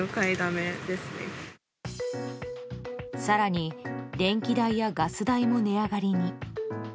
更に、電気代やガス代も値上がりに。